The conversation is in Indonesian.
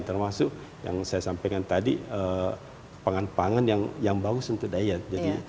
termasuk yang saya sampaikan tadi pangan pangan yang bagus untuk diet